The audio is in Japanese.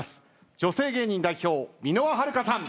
女性芸人代表箕輪はるかさん。